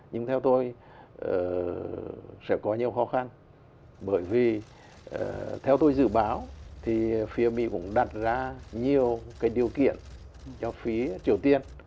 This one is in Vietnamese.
nhưng theo tôi sẽ có nhiều khó khăn bởi vì theo tôi dự báo thì phía mỹ cũng đặt ra nhiều cái điều kiện cho phía triều tiên